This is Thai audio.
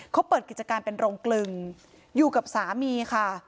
เขาเปิดกิจการเป็นโรงกลึงอยู่กับสามีค่ะ